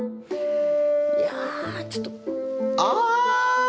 いやちょっとあ！